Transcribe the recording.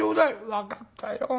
「分かったよ。